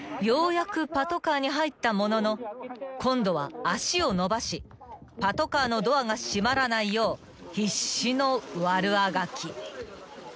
［ようやくパトカーに入ったものの今度は足を伸ばしパトカーのドアが閉まらないよう必死の悪あがき］